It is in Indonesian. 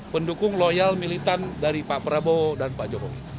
pendukung loyal militan dari pak prabowo dan pak jokowi